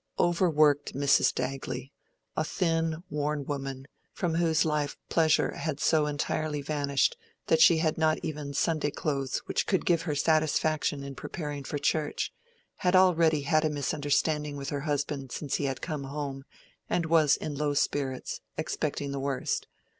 Overworked Mrs. Dagley—a thin, worn woman, from whose life pleasure had so entirely vanished that she had not even any Sunday clothes which could give her satisfaction in preparing for church—had already had a misunderstanding with her husband since he had come home, and was in low spirits, expecting the worst.